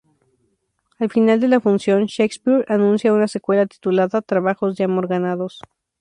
Al final de la función, Shakespeare anuncia una secuela titulada "Trabajos de amor ganados".